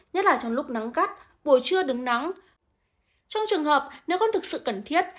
nhất là trong lúc nắng gắt buổi trưa đứng nắng trong trường hợp nếu không thực sự cần thiết